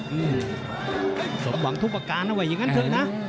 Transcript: อืมสมหวังทุกประการนะว่าอย่างนั้นเถอะนะ